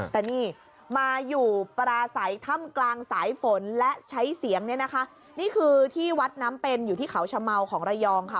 แต่นี่มาอยู่ปราศัยถ้ำกลางสายฝนและใช้เสียงเนี่ยนะคะนี่คือที่วัดน้ำเป็นอยู่ที่เขาชะเมาของระยองค่ะ